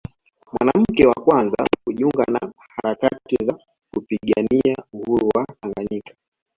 mwanamke wa kwanza kujiunga na harakati za kupigania Uhuru wa Tanganyika